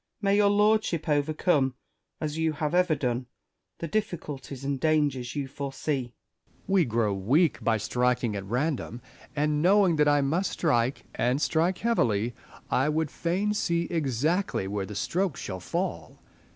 May your lordship overcome, as you have ever done, the difficulties and dangers you foresee. Essex. We grow weak by striking at random ; and knowing that I must strike, and strike heavily, I would fain see exactly where the stroke shall fall.